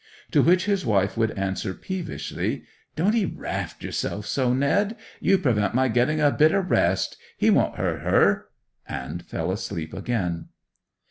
To which his wife would answer peevishly, 'Don't 'ee raft yourself so, Ned! You prevent my getting a bit o' rest! He won't hurt her!' and fall asleep again.